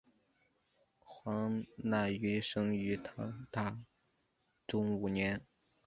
黄讷裕生于唐大中五年。